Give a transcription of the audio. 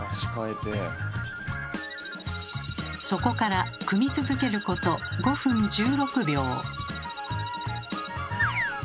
そこから組み続けること５分１６秒。